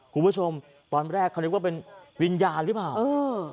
คุณผู้ชมตอนแรกเขานึกว่าเป็นวิญญาณหรือเปล่าเออ